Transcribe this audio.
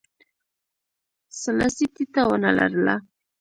سلاسي ټیټه ونه لرله.